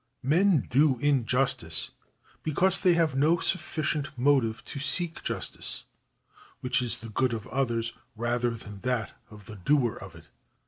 Men do injustice because they have no sufficient motive to seek justice, which is the good of others rather than that of the doer of it.